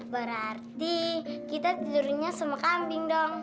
berarti kita tidurnya sama kambing dong